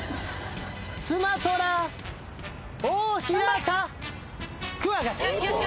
スマトラオオヒラタクワガタ。